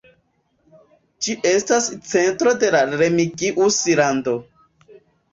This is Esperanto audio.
Ĝi estas centro de la Remigius-lando.